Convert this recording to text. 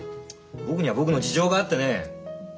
僕には僕の事情があってね。